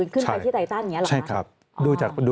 คำนี้อาการลิโกเชนะครับ